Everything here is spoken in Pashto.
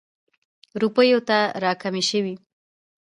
روپیو ته را کمې شوې.